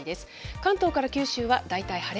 関東から九州は、大体晴れ。